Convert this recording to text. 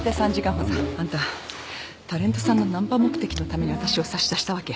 何だよ？あんたタレントさんのナンパ目的のためにわたしを差し出したわけ？